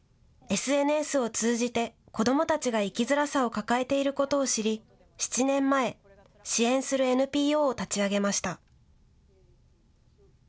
ＳＮＳを通じて子どもたちが生きづらさを抱えていることを知り７年前、支援するＮＰＯを立ち上げました。